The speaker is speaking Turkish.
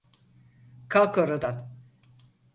Kalk oradan!